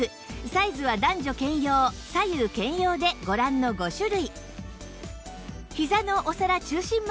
サイズは男女兼用左右兼用でご覧の５種類